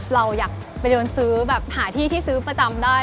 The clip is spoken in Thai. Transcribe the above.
เราอยากไปเดินซื้อแบบหาที่ที่ซื้อประจำได้